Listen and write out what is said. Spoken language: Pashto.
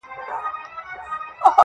دې جوارۍ کي د بايللو کيسه ختمه نه ده~